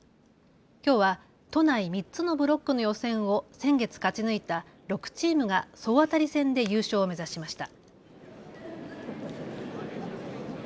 きょうは都内３つのブロックの予選を先月勝ち抜いた６チームが総当たり戦で優勝を目指しました。